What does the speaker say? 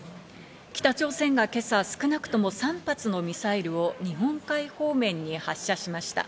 北朝鮮が今朝、少なくとも３発のミサイルを日本海方面に発射しました。